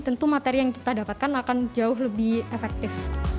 tentu materi yang kita dapatkan akan jauh lebih efektif